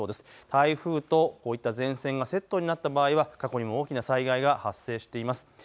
台風とこういった前線がセットになった場合は過去に大きな災害が発生しています。